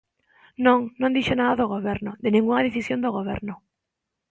Non, non dixo nada do Goberno, de ningunha decisión do Goberno.